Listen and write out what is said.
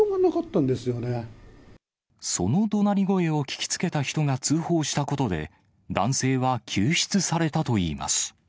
そのどなり声を聞きつけた人が通報したことで、男性は救出されたといいます。